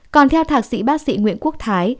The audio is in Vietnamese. còn theo thạc sĩ bác sĩ nguyễn quốc thái